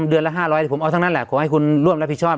เดือนละ๕๐๐ผมเอาทั้งนั้นแหละขอให้คุณร่วมรับผิดชอบ